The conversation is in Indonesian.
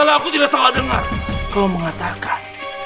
kalau aku tidak salah dengar kau mengatakan